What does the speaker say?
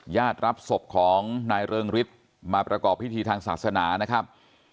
ญาติรับศพของนายเริงฤทธิ์มาประกอบพิธีทางศาสนานะครับ